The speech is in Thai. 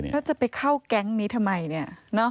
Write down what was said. แล้วจะไปเข้าแก๊งนี้ทำไมเนี่ย